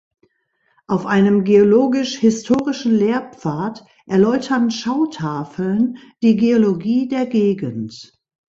Auf einem geologisch-historischen Lehrpfad erläutern Schautafeln die Geologie der Gegend.